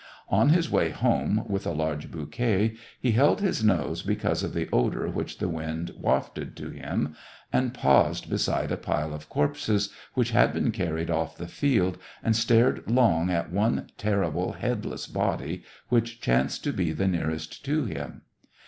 On his way home with a large bouquet, he held his nose because of the odor which the wind wafted to him, and paused beside a pile of corpses, which had been carried off the field, and stared long at one terrible head less body, which chanced to be the nearest to him.